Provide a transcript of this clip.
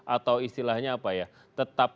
atau istilahnya apa ya tetap